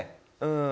うん。